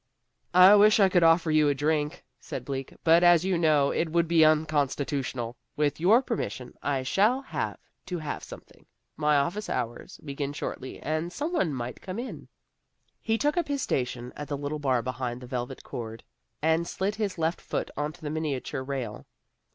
"I wish I could offer you a drink," said Bleak, "but as you know, it would be unconstitutional. With your permission, I shall have to have something. My office hours begin shortly, and some one might come in." He took up his station at the little bar behind the velvet cord, and slid his left foot onto the miniature rail.